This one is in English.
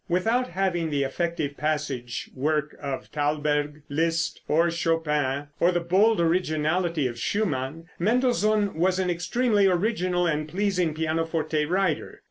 Without having the effective passage work of Thalberg, Liszt or Chopin, or the bold originality of Schumann, Mendelssohn was an extremely original and pleasing pianoforte writer.